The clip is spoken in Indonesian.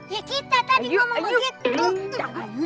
ya kita tadi juga begitu